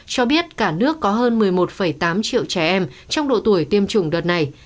cho biết cả nước có hơn một mươi một tám triệu trẻ em trong độ tuổi tiêm chủng đợt này